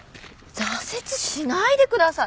挫折しないでください！